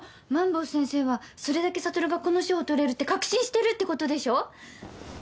萬坊先生はそれだけ悟がこの賞をとれるって確信してるってことでしょ。